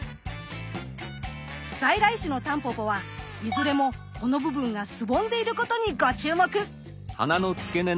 在来種のタンポポはいずれもこの部分がすぼんでいることにご注目。